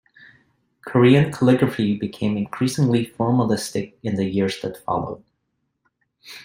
Korean calligraphy became increasingly formalistic in the years that followed.